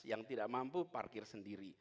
yang tidak mampu parkir sendiri